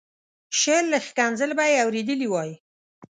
شل ښکنځل به یې اورېدلي وای.